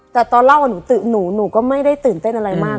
แต่ตอนเล่าหนูหนูก็ไม่ได้ตื่นเต้นอะไรมาก